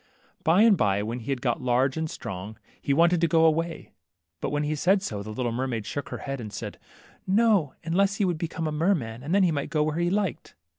By and by, when he had got large and strong, he 10 THE MERMAID. wanted to go away \ but when he said so, the Httle mermaid shook her head and said, ^^No, unless he would be a merman, and then he might go where he liked.